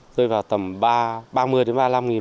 rơi vào tầm ba mươi đến ba mươi năm nghìn